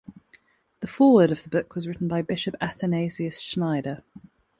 The foreword of the book was written by Bishop Athanasius Schneider.